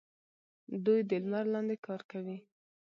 دوی د لمر لاندې کار کوي.